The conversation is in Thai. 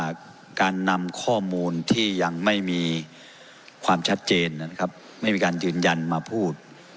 การนำข้อมูลที่ยังไม่มีความชัดเจนนะครับไม่มีการยืนยันมาพูด